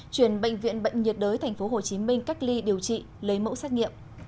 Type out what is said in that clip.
chuyển bệnh viện bệnh nhiệt đới tp hcm cách ly điều trị lấy mẫu xét nghiệm